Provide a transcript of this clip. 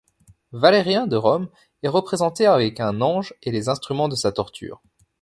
Valérien de Rome est représenté avec un ange et les instruments de sa torture.